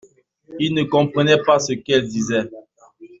Il ne comprenait pas ce qu’elle disait.